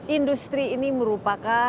industri ini merupakan jaringan yang murah